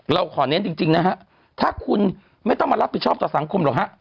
เราขอเน้นจริงนะฮะถ้าคุณไม่ต้องมารับผิดชอบต่อสังคมหรอกฮะ